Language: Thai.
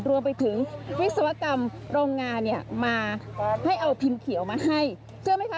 รวมไปถึงวิศวกรรมโรงงานเนี่ยมาให้เอาพิมพ์เขียวมาให้เชื่อไหมคะ